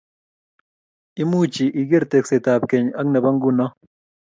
Imuchi iger teksetap keny ak nebo nguno